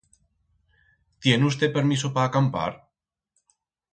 Tien usté permiso pa acampar?